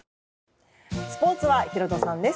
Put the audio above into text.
スポーツはヒロドさんです。